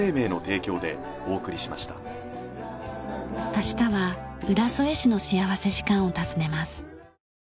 明日は浦添市の幸福時間を訪ねます。